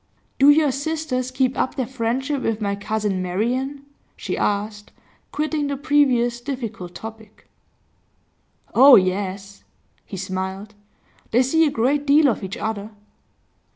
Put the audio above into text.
'Do your sisters keep up their friendship with my cousin Marian?' she asked, quitting the previous difficult topic. 'Oh yes!' He smiled. 'They see a great deal of each other.